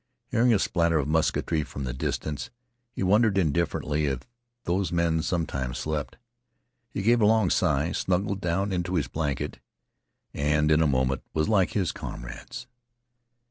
Hearing a splatter of musketry from the distance, he wondered indifferently if those men sometimes slept. He gave a long sigh, snuggled down into his blanket, and in a moment was like his comrades.